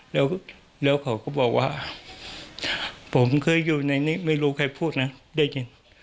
แล้วเขาก็บอกว่าผมเคยอยู่ในนี้ไม่รู้ใครพูดนะได้ยิน